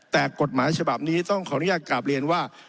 แต่กฎหมายภาคประชาชนนี้ต้องขออนุญาตกราบเรียนว่า